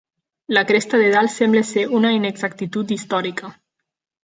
La cresta de dalt sembla ser una inexactitud històrica.